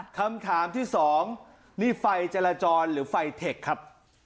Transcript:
คำถามที่สองนี่ไฟจราจรหรือไฟเทคครับ